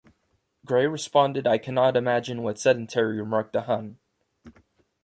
Gray responded I cannot imagine what sedentary remark the hon.